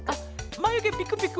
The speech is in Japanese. まゆげピクピク？